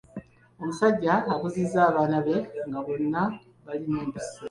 Omusajja akuzizza abaana be nga bonna balina empisa.